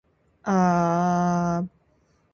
Kau bisa mengambil buku manapun yang kau suka.